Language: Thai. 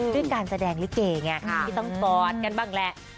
ด้วยการแสดงลิเกไงที่ต้องกอดกันบ้างแหละ